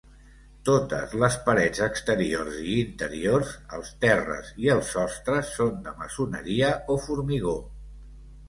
Totes les parets exteriors i interiors, els terres i els sostres són de maçoneria o formigó.